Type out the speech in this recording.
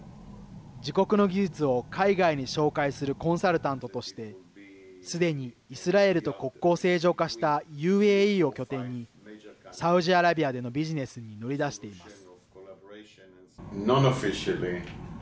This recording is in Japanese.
自国の技術を海外に紹介するコンサルタントとしてすでにイスラエルと国交正常化したＵＡＥを拠点にサウジアラビアでのビジネスに乗り出しています。